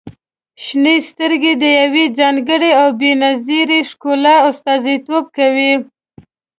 • شنې سترګې د يوې ځانګړې او بې نظیرې ښکلا استازیتوب کوي.